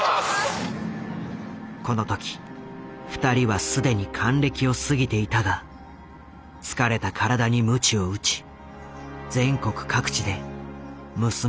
この時２人は既に還暦を過ぎていたが疲れた体にムチを打ち全国各地で娘の救出を訴えた。